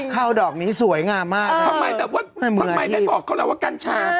ข้าวดอกนี้สวยงามมากเออทำไมแบบว่าไม่เมื่อที่ทำไมแบบบอกเขาแล้วว่ากัญชา